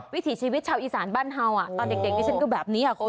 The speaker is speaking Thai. วิถีชีวิตชาวอีสานบ้านเฮาตอนเด็กดิฉันก็แบบนี้คุณ